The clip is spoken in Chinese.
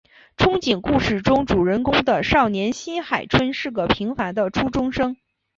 憧憬故事中主人公的少年新海春是个平凡的初中生。